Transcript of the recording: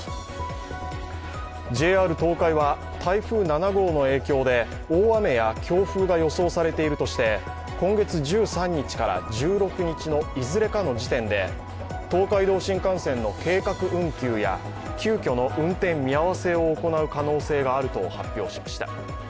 ＪＲ東海は台風７号の影響で大雨や強風が予想されているとして今月１３日から１６日のいずれかの時点で東海道新幹線の計画運休や急きょの運転見合せを行う可能性があると発表しました。